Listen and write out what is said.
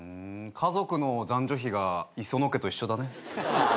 家族の男女比が磯野家と一緒だね。